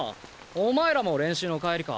お前らも練習の帰りか。